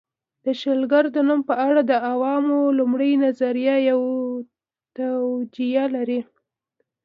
د شلګر د نوم په اړه د عوامو لومړی نظر یوه توجیه لري